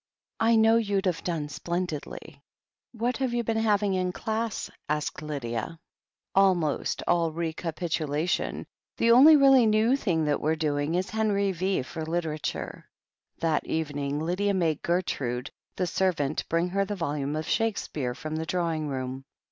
I know you'd have done splen didly." "What have you been having in class?" asked Lydia. THE HEEL OF ACHILLES 45 "Almost all recapitulation. The only really new thing that we're doing is Henry V, for literature." That evening Lydia made Gertrude, the servant, bring her the volume of Shakespeare from the draw ing room.